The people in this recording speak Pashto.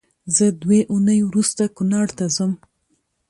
زه دوې اونۍ روسته کونړ ته ځم